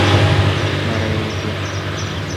ناره یې وکړه.